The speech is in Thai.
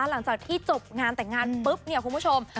หลังจากที่จบงานแต่งงานปุ๊บเนี่ยคุณผู้ชม